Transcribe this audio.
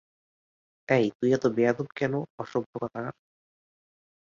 আবার এদের মধ্যে কিছু প্রজাতি আছে যারা শব্দ করতে পারে না।